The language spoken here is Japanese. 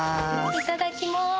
いただきます。